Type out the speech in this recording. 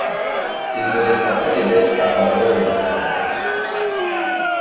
Il ne laissa que des dettes à sa veuve et à ses enfants.